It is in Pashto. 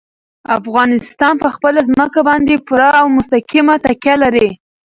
افغانستان په خپله ځمکه باندې پوره او مستقیمه تکیه لري.